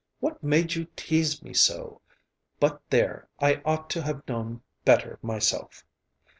What made you tease me so? But there, I ought to have known better myself."